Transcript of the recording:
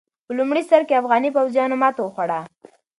په لومړي سر کې افغاني پوځيانو ماته وخوړه.